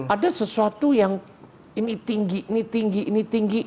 ada sesuatu yang ini tinggi ini tinggi ini tinggi